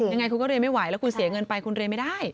ยังไงคุณก็เรียนไม่ไหวแล้วคุณเสียเงินไปคุณเรียนไม่ได้